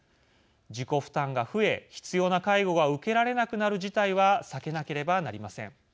自己負担が増え必要な介護が受けられなくなる事態は避けなければなりません。